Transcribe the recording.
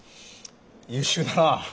優秀だなあ。